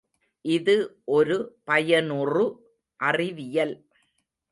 இது ஒரு பயனுறு அறிவியல்.